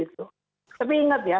tapi ingat ya